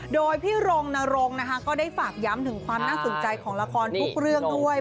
โดยพี่รงนรงนะคะก็ได้ฝากย้ำถึงความน่าสนใจของละครทุกเรื่องด้วย